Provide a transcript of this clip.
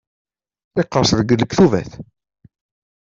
Yeqres deg lektubat.